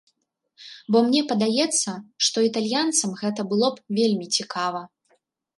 Бо мне падаецца, што італьянцам гэта было б вельмі цікава.